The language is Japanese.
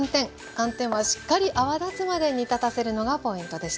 寒天はしっかり泡立つまで煮立たせるのがポイントでした。